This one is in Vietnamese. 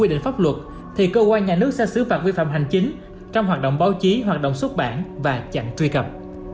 định pháp luật thì cơ quan nhà nước sẽ xứ phạt vi phạm hành chính trong hoạt động báo chí hoạt động xuất bản và chặn truy cập